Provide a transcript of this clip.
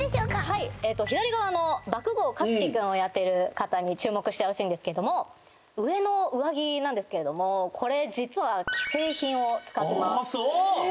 はい左側の爆豪勝己君をやっている方に注目してほしいんですけども上の上着なんですけれどもこれ実は既製品を使ってますああそう！